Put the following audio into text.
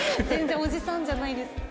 全然おじさんじゃないです。